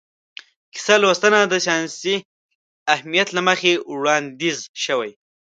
کیسه لوستنه د ساینسي اهمیت له مخې وړاندیز شوې.